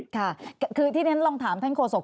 ค่ะคือที่เรียนลองถามท่านโศก